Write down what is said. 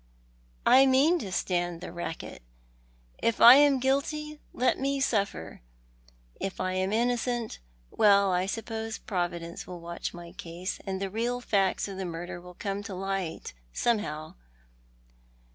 " I mean to stand the racket. If I am guilty let me suffer. If I am innocent — well, I suppose Providence will watch my case, and the real facts of the murder will come to light, somehow."